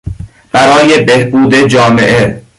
برای بهبود جامعه